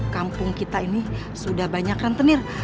kampung kita ini sudah banyak rentenir